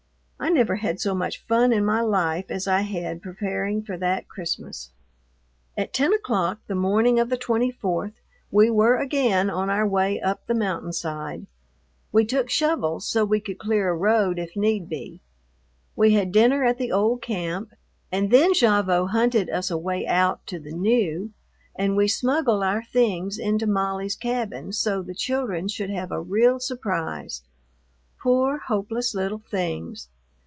I never had so much fun in my life as I had preparing for that Christmas. At ten o'clock, the morning of the 24th, we were again on our way up the mountain side. We took shovels so we could clear a road if need be. We had dinner at the old camp, and then Gavotte hunted us a way out to the new, and we smuggled our things into Molly's cabin so the children should have a real surprise. Poor, hopeless little things!